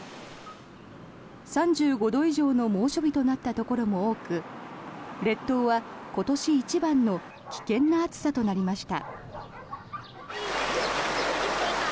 ３５度以上の猛暑日となったところも多く列島は今年一番の危険な暑さとなりました。